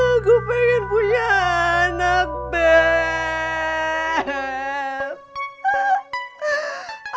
aku pengen punya anak beb